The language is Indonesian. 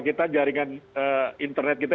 kita jaringan internet kita